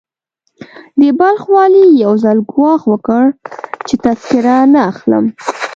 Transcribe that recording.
د بلخ والي يو ځل ګواښ وکړ چې تذکره نه اخلم.